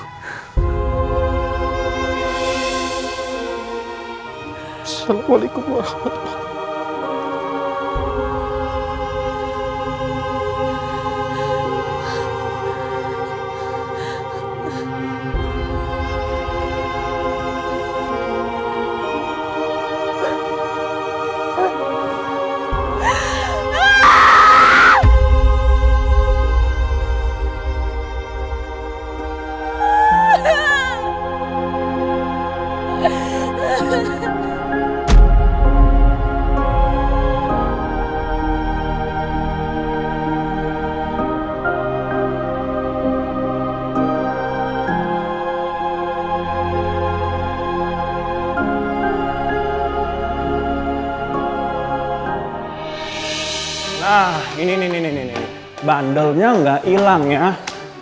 assalamualaikum warahmatullahi wabarakatuh